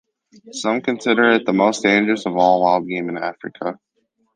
Some consider it the most dangerous of all wild game in Africa.